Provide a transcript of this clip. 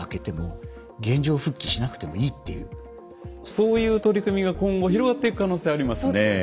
そういう取り組みが今後広がっていく可能性ありますね。